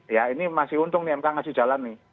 ya ini masih untung nih mk ngasih jalan nih